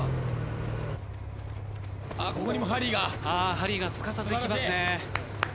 ハリーがすかさずいきますね。